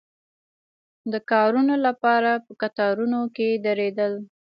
د کارونو لپاره په کتارونو کې درېدل.